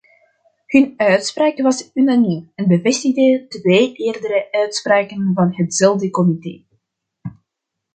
Hun uitspraak was unaniem en bevestigde twee eerdere uitspraken van hetzelfde comité.